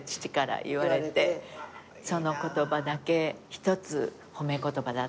その言葉だけ１つ褒め言葉だったんで。